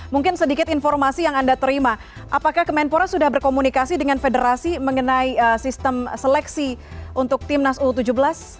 mungkin sedikit informasi yang anda terima apakah kemenpora sudah berkomunikasi dengan federasi mengenai sistem seleksi untuk timnas u tujuh belas